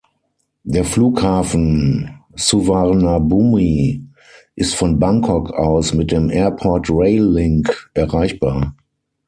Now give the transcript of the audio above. Der Flughafen Suvarnabhumi ist von Bangkok aus mit dem Airport Rail Link erreichbar.